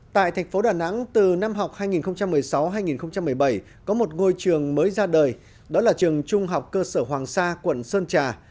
tại thành phố đà nẵng từ năm học hai nghìn một mươi sáu hai nghìn một mươi bảy có một ngôi trường mới ra đời đó là trường trung học cơ sở hoàng sa quận sơn trà